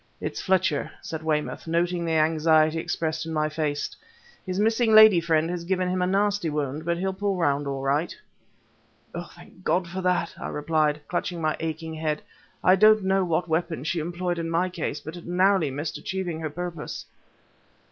"It's Fletcher," said Weymouth, noting the anxiety expressed in my face. "His missing lady friend has given him a nasty wound, but he'll pull round all right." "Thank God for that," I replied, clutched my aching head. "I don't know what weapon she employed in my case, but it narrowly missed achieving her purpose."